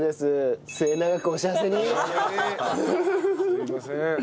すいません。